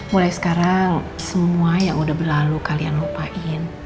mulai sekarang semua yang udah berlalu kalian lupain